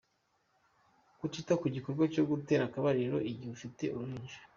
Kutita ku gikorwa cyo gutera akabariro igihe ufite uruhinja.